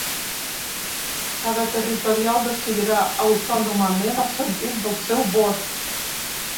Cada territorial decidirà autònomament el sentit del seu vot.